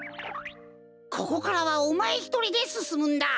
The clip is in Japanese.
ここからはおまえひとりですすむんだ。